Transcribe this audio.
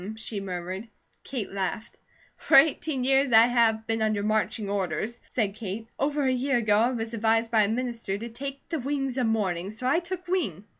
she murmured. Kate laughed. "For eighteen years I have been under marching orders," said Kate. "Over a year ago I was advised by a minister to 'take the wings of morning' so I took wing.